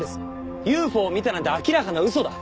ＵＦＯを見たなんて明らかな嘘だ。